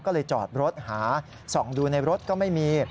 ก็เลยจอดรถหาส่องดูในรถก็ไม่มี